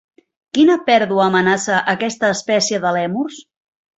Quina pèrdua amenaça aquesta espècie de lèmurs?